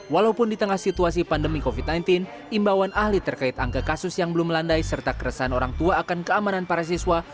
walaupun di tengah situasi pandemi covid sembilan belas imbauan ahli terkait angka kasus yang belum melandai serta keresahan orang tua akan keamanan para siswa